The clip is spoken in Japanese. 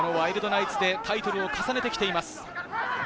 ワイルドナイツでタイトルを重ねてきています。